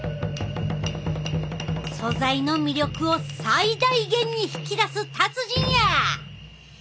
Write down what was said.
素材の魅力を最大限に引き出す達人や！